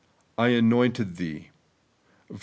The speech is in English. ' I anointed thee ' (ver.